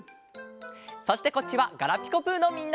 そしてこっちは「ガラピコぷ」のみんな。